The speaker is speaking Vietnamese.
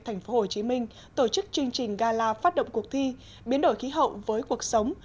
tp hcm tổ chức chương trình gala phát động cuộc thi biến đổi khí hậu với cuộc sống